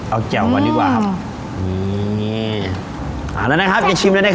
เอาแก่วก่อนดีกว่าครับอืมอันนั้นนะครับจะชิมแล้วนะครับ